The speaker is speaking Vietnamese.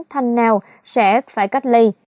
thành nào sẽ phải cách ly